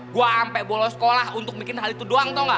gue ampe bolos sekolah untuk bikin hal itu doang tau gak